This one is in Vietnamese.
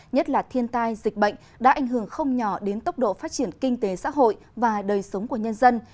nhất là thiên tai dịch bệnh đã ảnh hưởng không nhỏ đến tốc độ phát triển kinh tế xã hội và đời sống của nhân dân